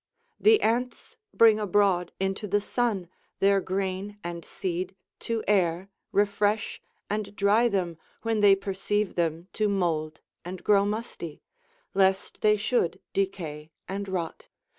The ants bring abroad into the sun their grain and seed to air, refresh and dry them when they perceive them to mould and grow musty, lest they should decay and rot.